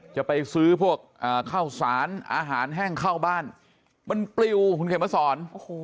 จะไปซื้อพวกข้าวสารอาหารแห้งเข้าบ้านมันปลิวคุณเขียนมาสอน